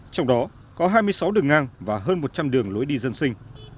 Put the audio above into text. trong đó có hai mươi sáu đường ngang và hơn một trăm linh đường lối đi dân sinh